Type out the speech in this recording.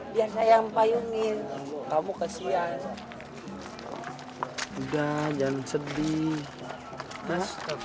di atas yang paiunin kamu kesian dan etphr